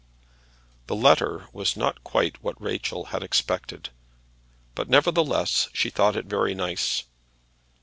The letter was not quite what Rachel had expected, but, nevertheless, she thought it very nice.